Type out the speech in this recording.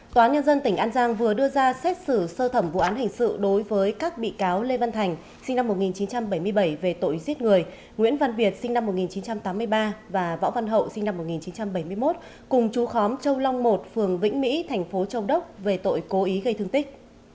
tòa án nhân dân tỉnh an giang vừa đưa ra xét xử sơ thẩm vụ án hình sự đối với các bị cáo lê văn thành sinh năm một nghìn chín trăm bảy mươi bảy về tội giết người nguyễn văn việt sinh năm một nghìn chín trăm tám mươi ba và võ văn hậu sinh năm một nghìn chín trăm bảy mươi một cùng chú khóm châu long một phường vĩnh mỹ thành phố châu đốc về tội cố ý gây thương tích